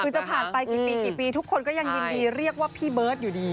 คือจะผ่านไปกี่ปีกี่ปีทุกคนก็ยังยินดีเรียกว่าพี่เบิร์ตอยู่ดี